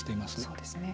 そうですね。